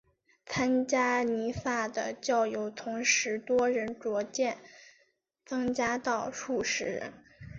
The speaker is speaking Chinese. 参加弥撒的教友从十多人逐渐增加到数十人。